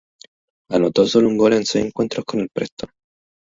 Anotó solo un gol en seis encuentros con el Preston.